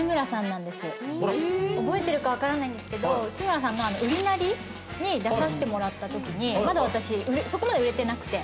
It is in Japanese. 覚えてるか分からないんですけど内村さんの『ウリナリ！！』に出させてもらったときにまだ私そこまで売れてなくて。